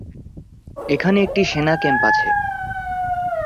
এখানে একটি সেনা ক্যাম্প আছে।